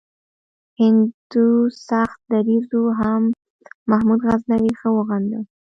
هندو سخت دریځو هم محمود غزنوي ښه وغنده.